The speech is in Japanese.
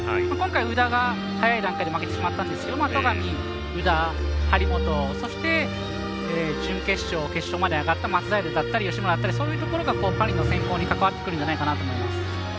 今回、宇田が早い段階で負けてしまったんですけど戸上、宇田張本、そして準決勝決勝まで上がった松平だったり、吉村だったりそういところがパリの選考に関わってくるんじゃないかなと思います。